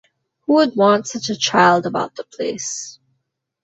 Who would want such a child about the place?